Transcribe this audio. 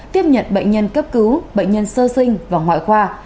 tiếp nhận bệnh nhân cấp cứu bệnh nhân sơ sinh và ngoại khoa